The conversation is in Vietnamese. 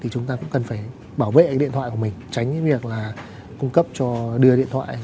chúng ta cũng cần phải bảo vệ điện thoại của mình tránh việc là cung cấp cho đưa điện thoại